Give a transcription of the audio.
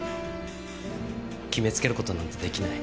決めつける事なんてできない。